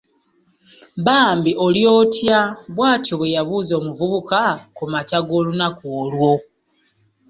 “Bambi oli otya? ”. Bw’atyo bwe yabuuza omuvubuka ku makya g’olunaku olwo.